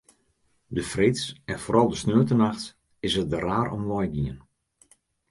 De freeds en foaral de sneontenachts is it der raar om wei gien.